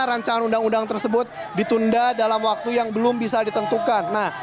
rancangan undang undang tersebut ditunda dalam waktu yang belum bisa ditentukan